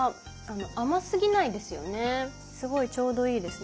すごいちょうどいいですね。